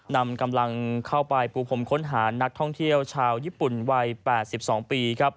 นำกำลังเข้าไปปูพรมค้นหานักท่องเที่ยวชาวญี่ปุ่นวัย๘๒ปีครับ